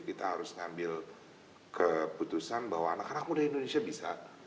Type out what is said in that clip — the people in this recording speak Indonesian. kita harus ngambil keputusan bahwa anak anak muda indonesia bisa